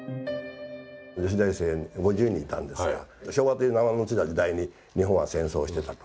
女子大生５０人いたんですが昭和という名前の付いた時代に日本は戦争をしてたと。